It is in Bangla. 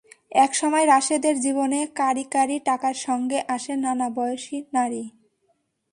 একসময় রাশেদের জীবনে কাঁড়ি কাঁড়ি টাকার সঙ্গে আসে নানা বয়সী নারী।